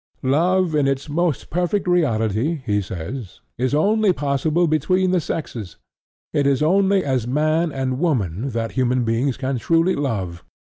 "Love in its most perfect reality," he says, "is only possible between the sexes: it is only as man and woman that human beings can truly love.